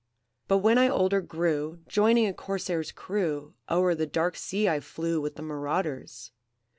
"But when I older grew, Joining a corsair's crew, O'er the dark sea I flew With the marauders.